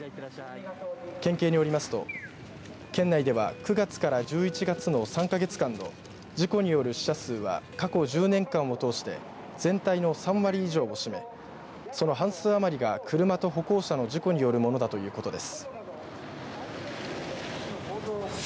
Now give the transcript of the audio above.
県警によりますと県内では９月から１１月の３か月間の事故による死者数は過去１０年間をとおして全体の３割以上を占めその半数余りが車と歩行者の事故によるものだということです。